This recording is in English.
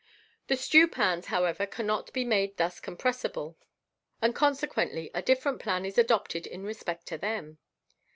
The stew pans, however, cannot bo made thus compressible, and consequently a different plan is adopted in respect of them.